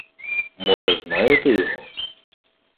Може, знаєте його?